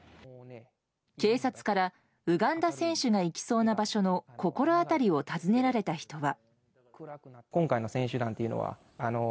警察からウガンダ選手が行きそうな場所の心当たりを尋ねられた人は。